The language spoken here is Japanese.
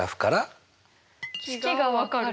式がわかる？